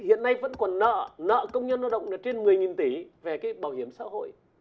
hiện nay vẫn còn nợ công nhân lao động trên một mươi tỷ về cái bảo hiểm xã hội